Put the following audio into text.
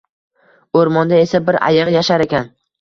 O’rmonda esa bir ayiq yashar ekan